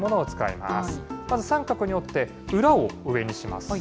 まず三角に折って裏を上にします。